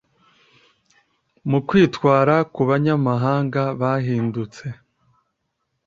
mu kwitwara ku banyamahanga bahindutse.